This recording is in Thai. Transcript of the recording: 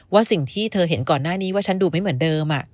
สิ่งที่เธอเห็นก่อนหน้านี้ว่าฉันดูไม่เหมือนเดิม